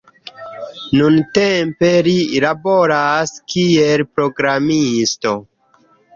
Nuntempe li laboras kiel programisto.